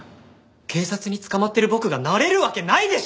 警察に捕まってる僕がなれるわけないでしょう！？